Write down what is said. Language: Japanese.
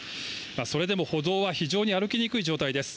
それでも歩道は非常に歩きにくい状態です。